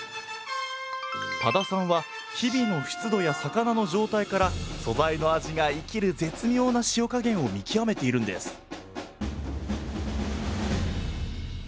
多田さんは日々の湿度や魚の状態から素材の味が生きる絶妙な塩加減を見極めているんです